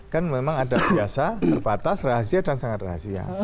kan memang ada biasa terbatas rahasia dan sangat rahasia